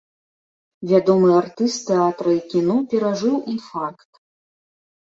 Вядомы артыст тэатра і кіно перажыў інфаркт.